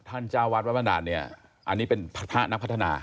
ท่านเจ้าอาวาทอันนี้เป็นพระพระนักพัฒนา